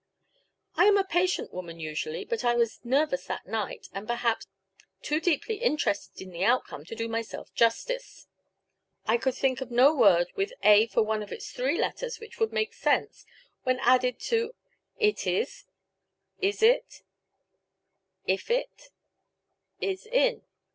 I am a patient woman usually, but I was nervous that night, and, perhaps, too deeply interested in the outcome to do myself justice. I could think of no word with a for one of its three letters which would make sense when added on to It is, Is it, I f it, Is in.